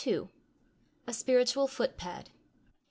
A SPIRITUAL FOOT PAD.